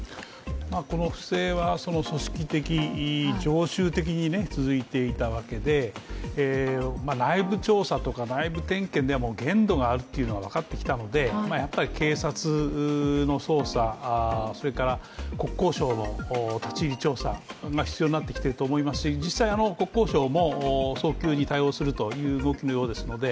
この不正は組織的、常習的に続いていたわけで、内部調査とか内部点検では限度があるっていうのが分かってきたので警察の捜査、国交省の立ち入り検査が必要になってきていると思いますし実際、国土交通省も早急に対応するという動きのようですので